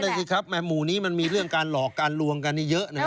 สิครับหมู่นี้มันมีเรื่องการหลอกการลวงกันนี่เยอะนะครับ